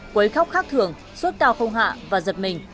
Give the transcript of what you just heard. quấy khóc khác thường sốt cao không hạ và giật mình